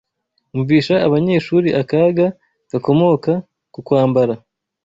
Umvisha abanyeshuri akaga gakomoka ku kwambara